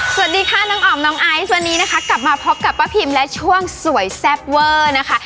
สวัสดีค่ะน้องอ๋อมน้องไอซ์วันนี้นะคะกลับมาพบกับป้าพิมและช่วงสวยแซ่บเวอร์นะคะ